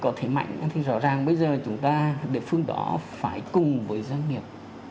có thế mạnh thì rõ ràng bây giờ chúng ta địa phương đó phải cùng với doanh nghiệp